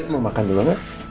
oh dia mau makan dulu